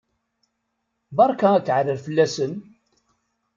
Berka akaɛrer fell-asen!